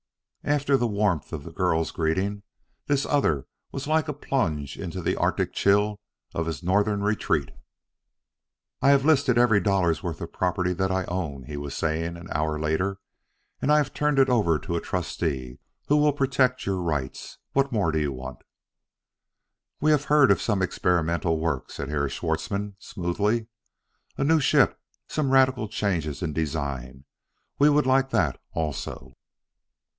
After the warmth of the girl's greeting, this other was like a plunge into the Arctic chill of his northern retreat. "I have listed every dollar's worth of property that I own," he was saying an hour later, "and I have turned it over to a trustee who will protect your rights. What more do you want?" "We have heard of some experimental work," said Herr Schwartzmann smoothly. "A new ship; some radical changes in design. We would like that also."